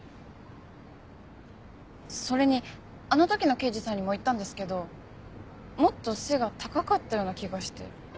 それにあの時の刑事さんにも言ったんですけどもっと背が高かったような気がして。